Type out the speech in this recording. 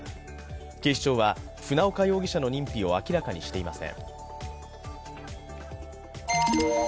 警視庁は、船岡容疑者の認否を明らかにしていません。